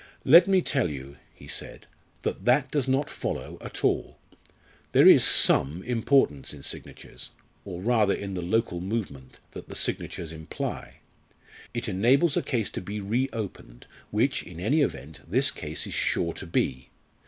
"Let me tell you," he said, "that that does not follow at all. There is some importance in signatures or rather in the local movement that the signatures imply. It enables a case to be reopened, which, in any event, this case is sure to be.